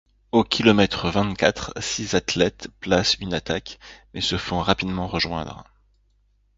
Au kilomètre vingt-quatre, six athlètes placent une attaque mais se font rapidement rejoindre.